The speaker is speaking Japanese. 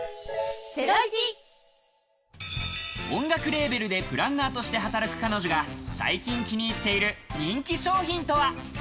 レーベルでプランナーとして働く彼女が最近気に入っている人気商品とは？